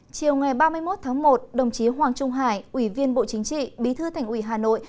chiều ngày ba mươi một tháng một đồng chí hoàng trung hải ủy viên bộ chính trị bí thư thành ủy hà nội